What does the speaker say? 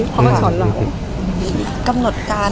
ภาษาสนิทยาลัยสุดท้าย